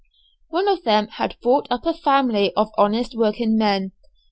One of them had brought up a family of honest working men.